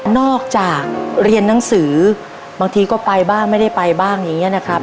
นักเรียนหนังสือบางทีก็ไปบ้างไม่ได้ไปบ้างอย่างนี้นะครับ